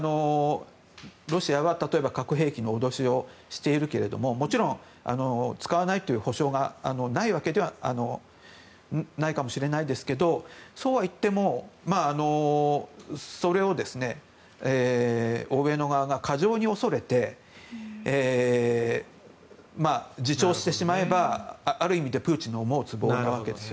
ロシアは例えば核兵器の脅しをしているけれどももちろん、使わないという保証がないかもしれないですけどそうはいってもそれを欧米の側が過剰に恐れて自重してしまえば、ある意味でプーチンの思うつぼなわけです。